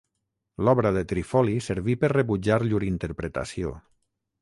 L'obra de Trifoli serví per rebutjar llur interpretació.